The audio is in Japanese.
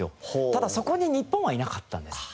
ただそこに日本はいなかったんです。